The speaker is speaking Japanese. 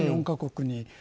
４か国に。